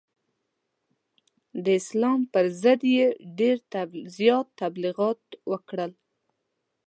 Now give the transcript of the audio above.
د اسلام پر ضد یې ډېر زیات تبلغیات وکړل.